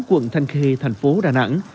quận thanh khê thành phố đà nẵng